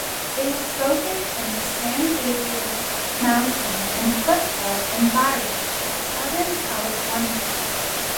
It was spoken in the San Gabriel Mountains and foothill environs of Southern California.